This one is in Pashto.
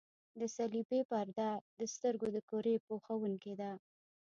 د صلبیې پرده د سترګو د کرې پوښوونکې ده.